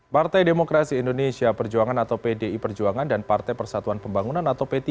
partai demokrasi indonesia perjuangan atau pdi perjuangan dan partai persatuan pembangunan atau p tiga